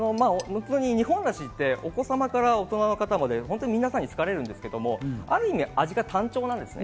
日本梨ってお子様から大人の方まで本当、皆さんに好かれるんですけど、ある意味、味が単調なんです。